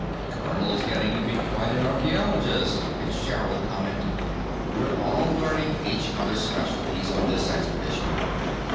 "Colonel's getting to be quite an archaeologist," Fitzgerald commented. "We're all learning each others' specialties, on this expedition."